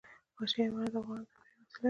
وحشي حیوانات د افغانانو د تفریح یوه وسیله ده.